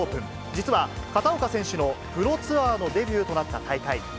実は片岡選手のプロツアーのデビューとなった大会。